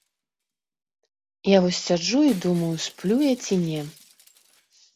Я вось сяджу і думаю, сплю я ці не.